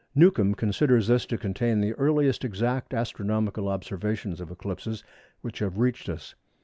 Newcomb considers this to contain the earliest exact astronomical observations of eclipses which have reached us.